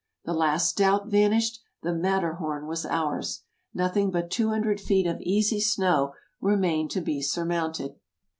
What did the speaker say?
The last doubt vanished ! The Matterhorn was ours ! Nothing but two hundred feet of easy snow remained to be surmounted